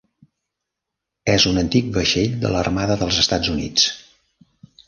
és un antic vaixell de l'Armada dels Estats Units.